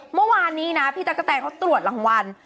เมื่อวานนี้นะพี่ตั๊กกะแตนเขาตรวจรางวัล